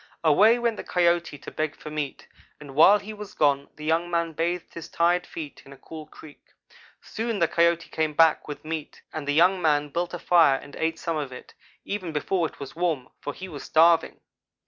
"Away went the Coyote to beg for meat, and while he was gone the young man bathed his tired feet in a cool creek. Soon the Coyote came back with meat, and young man built a fire and ate some of it, even before it was warm, for he was starving.